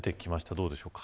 どうでしょうか。